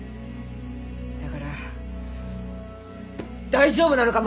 だから大丈夫なのか？